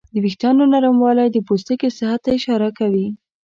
د وېښتیانو نرموالی د پوستکي صحت ته اشاره کوي.